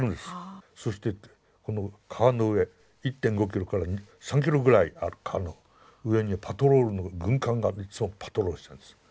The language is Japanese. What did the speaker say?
そしてこの川の上１．５ｋｍから３ｋｍぐらいある川の上にパトロールの軍艦がいつもパトロールしてたんですよ。